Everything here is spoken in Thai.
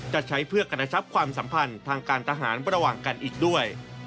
จะใช้เพื่อกระชับความสัมพันธ์ทางการทหารระหว่างกันอีกด้วย